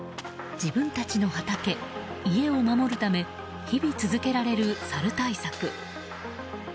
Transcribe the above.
自分たちの畑、家を守るため日々続けられるサル対策。